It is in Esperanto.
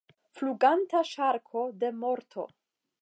Fluganta ŝarko de morto!